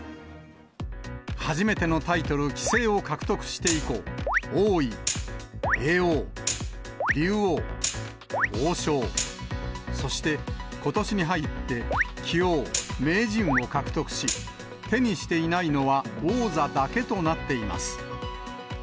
初めてのタイトル、棋聖を獲得して以降、王位、叡王、竜王、王将、そしてことしに入って棋王、名人を獲得し、手にしていないのは王座だけとなっています。